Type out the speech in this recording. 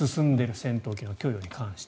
戦闘機の供与に対して。